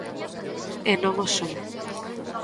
E non o son.